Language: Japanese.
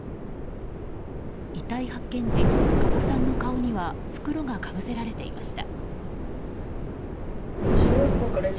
遺体発見時、加古さんの顔には袋がかぶせられていました。